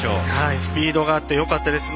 スピードがあってよかったですね。